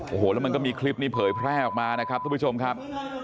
โอ้โหแล้วมันก็มีคลิปนี้เผยแพร่ออกมานะครับทุกผู้ชมครับ